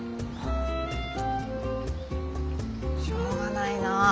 しょうがないな。